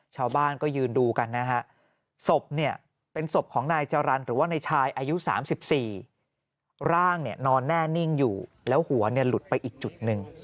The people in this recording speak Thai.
ชาวบ้านก็ยืนดูกันนะฮะศพเนี่ยเป็นศพของนายจรรย์หรือว่าในชายอายุ๓๔ร่างนอนแน่นิ่งอยู่แล้วหัวหลุดไปอีกจุดหนึ่ง